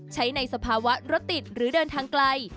ใช้ในสภาวะรถติดหรือเดินทางไกล